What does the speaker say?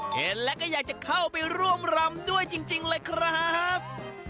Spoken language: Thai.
เห็นแล้วก็อยากจะเข้าไปร่วมรำด้วยจริงเลยครับ